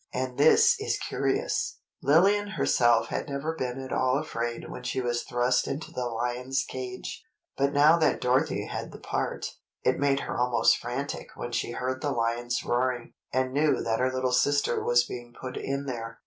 And this is curious: Lillian herself had never been at all afraid when she was thrust into the lions' cage, but now that Dorothy had the part, it made her almost frantic when she heard the lions roaring, and knew that her little sister was being put in there.